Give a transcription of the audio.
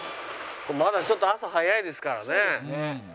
まだちょっと朝早いですからね。